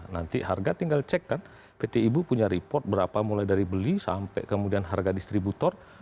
nanti harga tinggal cek kan pt ibu punya report berapa mulai dari beli sampai kemudian harga distributor